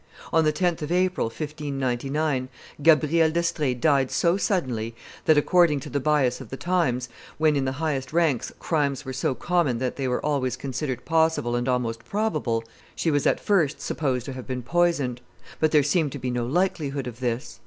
On the 10th of April, 1599, Gabrielle d'Estrees died so suddenly that, according to the bias of the times, when, in the highest ranks, crimes were so common that they were always considered possible and almost probable, she was at first supposed to have been poisoned; but there seemed to be no likelihood of this.